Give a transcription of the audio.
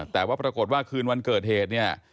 แต่ว่าปรากฏว่าคืนวันเกิดเหตุเนี่ย